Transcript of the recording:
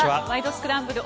スクランブル」